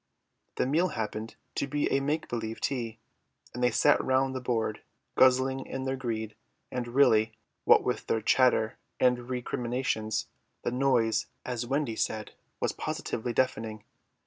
The meal happened to be a make believe tea, and they sat around the board, guzzling in their greed; and really, what with their chatter and recriminations, the noise, as Wendy said, was positively deafening.